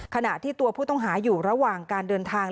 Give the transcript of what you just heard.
ขณะที่ตัวผู้ต้องหาอยู่ระหว่างการเดินทาง